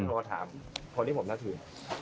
แล้วเราถามคนที่ผมน่าถือ